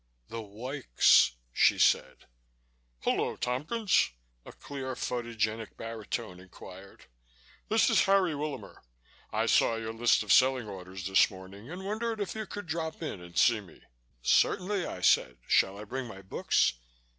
"The woiks," she said. "Hullo, Tompkins," a clear phonogenic baritone inquired. "This is Harry Willamer. I saw your list of selling orders this morning and wondered if you would drop in and see me." "Certainly," I said. "Shall I bring my books?"